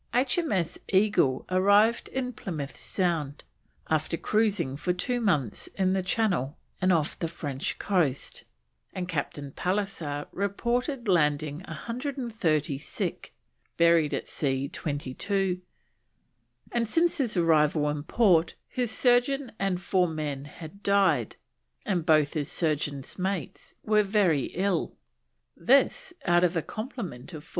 Eagle arrived in Plymouth Sound, after cruising for two months in the Channel and off the French coast, and Captain Pallisser reported landing 130 sick, buried at sea 22, and since his arrival in port his surgeon and 4 men had died, and both his surgeon's mates were very ill; this out of a complement of 400!